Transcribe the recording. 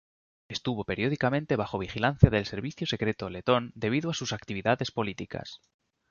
Estuvo periódicamente bajo vigilancia del servicio secreto letón debido a sus actividades políticas.